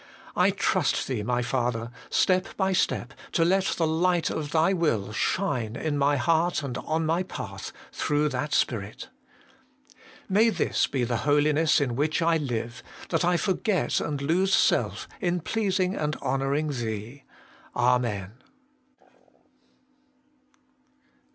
I trust Thee, my Father, step by step, to let the light of Thy will shine in my heart and on my path, through that Spirit. 234 HOLY IN CHKIST. May this be the holiness in which I live, that I forget and lose self in pleasing and honouring Thee. Amen.